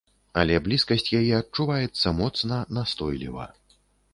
Але блізкасць яе адчуваецца моцна, настойліва.